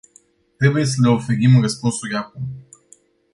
Trebuie să le oferim răspunsuri acum.